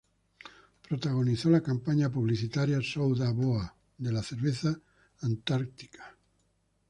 Protagonizó la campaña publicitaria "Sou da Boa", de la cerveza Antarctica.